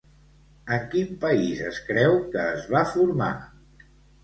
En quin país es creu que es va formar?